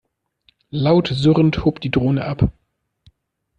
Laut surrend hob die Drohne ab.